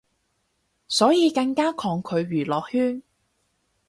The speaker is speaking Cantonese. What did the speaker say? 所以更加抗拒娛樂圈